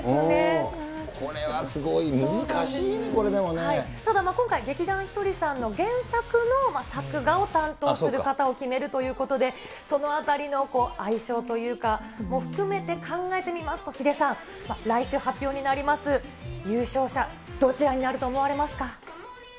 これはすごい、難しいね、ただ、今回、劇団ひとりさんの原作の作画を担当する方を決めるということで、そのあたりの相性というか、も含めて考えてみますと、ヒデさん、来週発表になります、優勝者、どちらになると思われますか？